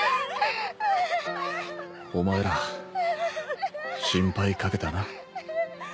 お前ら心配かけたな。